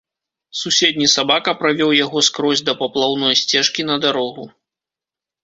Суседні сабака правёў яго скрозь да паплаўной сцежкі на дарогу.